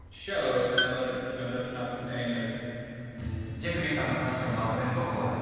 ジェフリーさんの話をまとめるとこうだ。